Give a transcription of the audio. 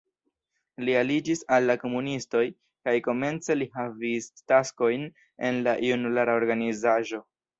Li aliĝis al la komunistoj kaj komence li havis taskojn en la junulara organizaĵo.